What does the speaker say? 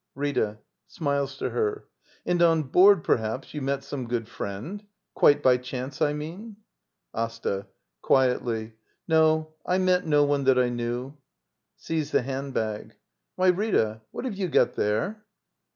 Rita. [Smiles to her.] And on board, perhaps, you met some good friend? Quite by chance, I mean. Asta. [Quietly.] No, I met no one that I knew. [Sees the hand bag.] Why, Rita, what have you got there?